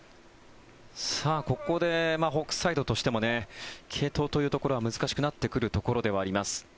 ここでホークスサイドとしても継投というところは難しくなってくるところではあります。